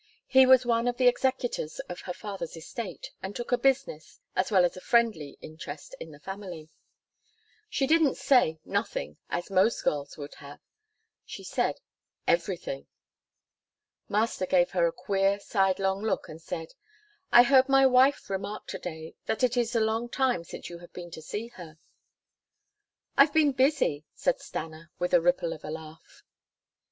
He was one of the executors of her father's estate, and took a business, as well as a friendly interest in the family. She didn't say "Nothing," as most girls would have. She said, "Everything." Master gave her a queer, sidelong look and said, "I heard my wife remark to day, that it is a long time since you have been to see her." "I've been busy," said Stanna with a ripple of a laugh.